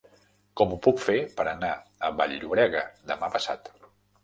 Com ho puc fer per anar a Vall-llobrega demà passat?